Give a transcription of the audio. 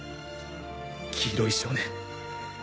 黄色い少年。